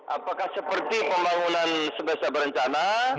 apakah seperti pembangunan sebesar berencana